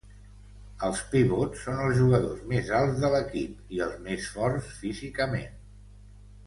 Els pivots són els jugadors més alts de l'equip i els més forts físicament.